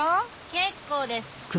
結構です。